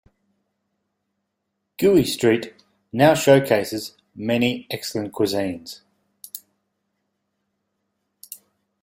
Gui Street now showcases many excellent cuisines.